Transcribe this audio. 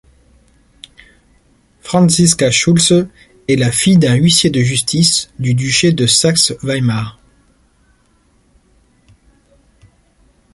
Franziska Schultze est la fille d'un huissier de justice du Duché de Saxe-Weimar.